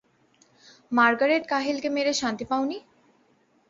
Margaret ক্যাহিলকে মেরে শান্তি পাওনি?